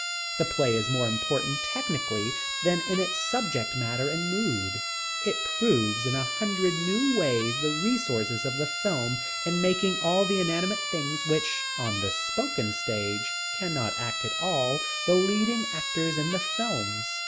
The play is more important, technically, than in its subject matter and mood. It proves in a hundred new ways the resources of the film in making all the inanimate things which, on the spoken stage, cannot act at all, the leading actors in the films.